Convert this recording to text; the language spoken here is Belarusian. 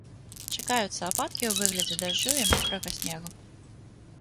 Чакаюцца ападкі ў выглядзе дажджу і мокрага снегу.